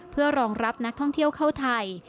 เพื่อรองรับนักท่องเที่ยวเข้าไทย